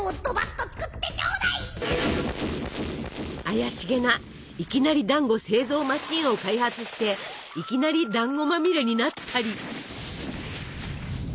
怪しげないきなりだんご製造マシンを開発していきなりだんごまみれになったり。